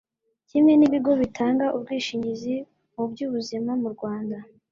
kimwe n'ibigo bitanga ubwishingizi mu by'ubuzima mu rwanda